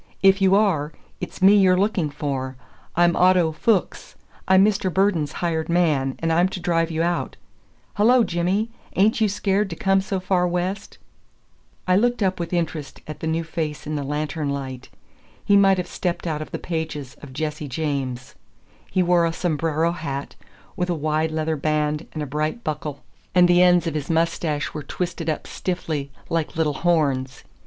If you are, it's me you're looking for. I'm Otto Fuchs. I'm Mr. Burden's hired man, and I'm to drive you out. Hello, Jimmy, ain't you scared to come so far west?" [Illustration: Immigrant family huddled together on the train platform] I looked up with interest at the new face in the lantern light. He might have stepped out of the pages of "Jesse James." He wore a sombrero hat, with a wide leather band and a bright buckle, and the ends of his mustache were twisted up stiffly, like little horns.